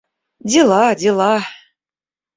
Дела, дела!